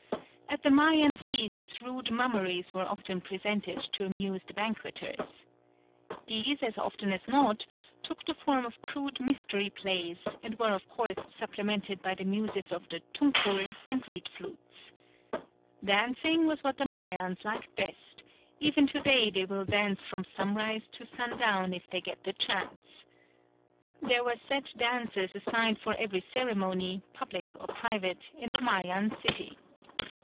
At the Mayan feasts rude mummeries were often presented to amuse the banqueters. These as often as not took the form of crude mystery plays, and were of course supplemented by the music of the tunkul and reed flutes. Dancing was what the Mayans liked best; even to day they will dance from sunrise to sundown if they get the chance. There were set dances assigned for every ceremony, public or private, in the Mayan city.